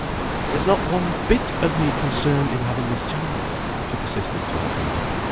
"There's not one bit of me concerned in having this child," she persisted to Alvina.